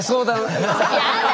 やだ！